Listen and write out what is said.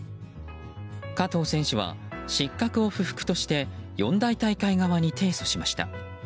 加藤選手は失格を不服として四大大会側に提訴しました。